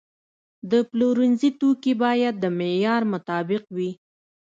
د پلورنځي توکي باید د معیار مطابق وي.